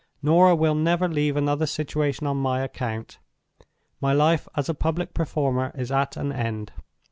Norah will never leave another situation on my account—my life as a public performer is at an end.